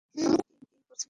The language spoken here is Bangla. থাম, উইল, কী করছিস তুই?